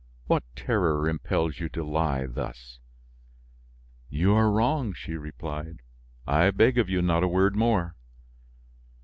What terror impels you to lie thus?" "You are wrong," she replied; "I beg of you, not a word more."